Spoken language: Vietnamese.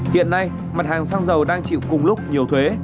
hiện nay mặt hàng xăng dầu đang chịu cùng lúc nhiều thuế